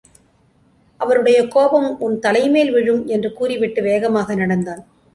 அவருடைய கோபம் உன் தலைமேல்விழும் என்று கூறிவிட்டு வேகமாக நடந்தான்.